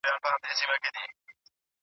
که ته کتاب ولولې پوهه موندلی سې.